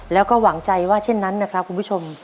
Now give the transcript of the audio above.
แล้วก็หวังใจว่าเช่นนั้นนะครับคุณผู้ชม